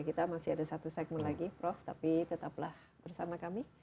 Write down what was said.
kita masih ada satu segmen lagi prof tapi tetaplah bersama kami